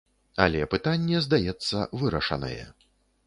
Але пытанне, здаецца, вырашанае.